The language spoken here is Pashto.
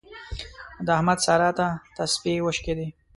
د احمد سارا ته تسپې وشکېدې.